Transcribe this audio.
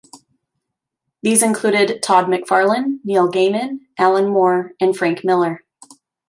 These included Todd McFarlane, Neil Gaiman, Alan Moore, and Frank Miller.